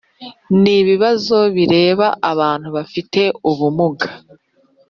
n ibibazo bireba Abantu bafite ubumuga